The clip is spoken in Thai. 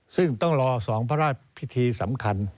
ซึ่งต้องรอ๒พระราชพิธีสำคัญ